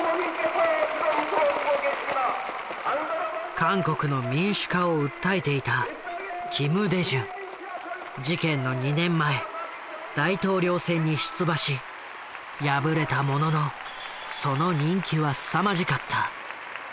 韓国の民主化を訴えていた事件の２年前大統領選に出馬し敗れたもののその人気はすさまじかった。